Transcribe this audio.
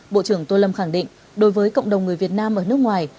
bộ trưởng tô lâm khẳng định đối với cộng đồng người việt nam ở nước ngoài